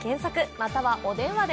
または、お電話で。